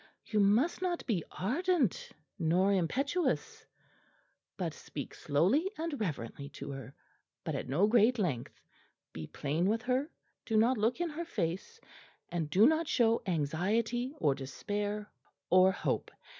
You must not be ardent nor impetuous, but speak slowly and reverently to her, but at no great length; be plain with her; do not look in her face, and do not show anxiety or despair or hope.